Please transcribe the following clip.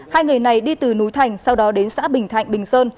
hai người này đi từ núi thành sau đó đến xã bình thạnh bình sơn